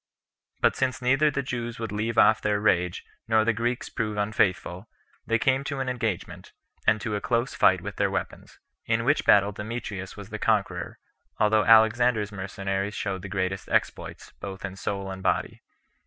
But since neither the Jews would leave off their rage, nor the Greeks prove unfaithful, they came to an engagement, and to a close fight with their weapons. In which battle Demetrius was the conqueror, although Alexander's mercenaries showed the greatest exploits, both in soul and body.